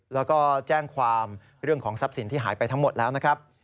แล้วก็แจ้งความเรื่องของทรัพย์สินที่หายไปทั้งหมดแล้วนะครับ